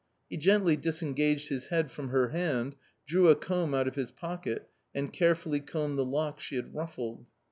He gently disengaged his head from her hand, drew a comb out of his pocket, and carefully combed the locks she had ruffled.